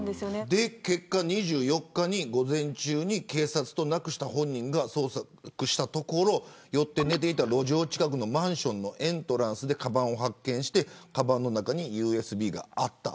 ２４日に午前中に警察と無くした本人が捜索したところ酔って寝ていた路上近くのマンションのエントランスでかばんを発見してかばんの中にＵＳＢがあった。